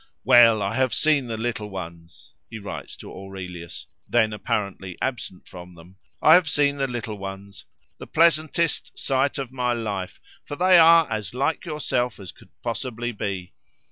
"Well! I have seen the little ones," he writes to Aurelius, then, apparently, absent from them: "I have seen the little ones—the pleasantest sight of my life; for they are as like yourself as could possibly be.